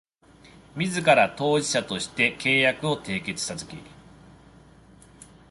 自ら当事者として契約を締結したとき